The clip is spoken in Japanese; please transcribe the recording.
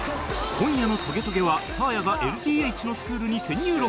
今夜の『トゲトゲ』はサーヤが ＬＤＨ のスクールに潜入ロケ